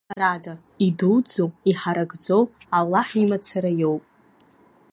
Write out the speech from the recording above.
Ҳәарада, идуӡӡоу, иҳаракӡоу Аллаҳ имацара иоуп.